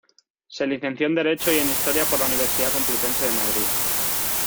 Se licenció en Derecho y en Historia por la Universidad Complutense de Madrid.